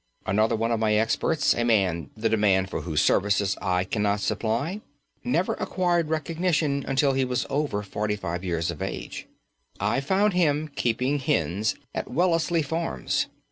Another one of my experts, a man the demand for whose services I cannot supply, never acquired recognition until he was over forty five years of age. I found him keeping hens at Wellesley Farms!